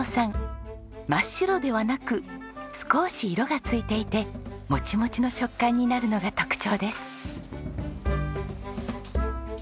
真っ白ではなく少し色がついていてモチモチの食感になるのが特徴です。